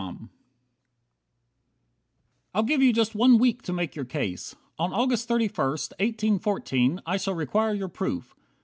56 I'll give you just one week to make your case. On August thirty first, eighteen fourteen, I shall require your proof."